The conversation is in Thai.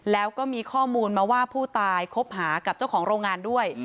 แล้วก็มีข้อมูลมาว่าผู้ตายคบหากับเจ้าของโรงงานด้วย